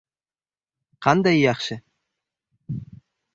Qanday yaxshi!..